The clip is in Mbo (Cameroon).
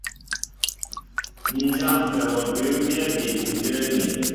Ǹ jâmpɛ wɔ bʉ́mbyɛ́ bi ú də́ə́ŋí.